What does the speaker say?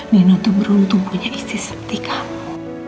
mino tuh beruntung punya istri seperti kamu